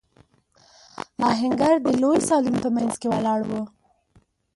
آهنګر د لوی سالون په مينځ کې ولاړ و.